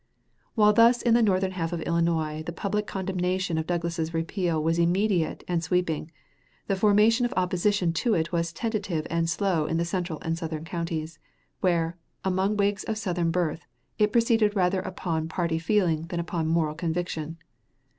While thus in the northern half of Illinois the public condemnation of Douglas's repeal was immediate and sweeping, the formation of opposition to it was tentative and slow in the central and southern counties, where, among Whigs of Southern birth, it proceeded rather upon party feeling than upon moral conviction.